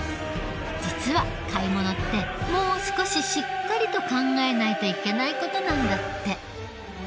実は買い物ってもう少ししっかりと考えないといけない事なんだって。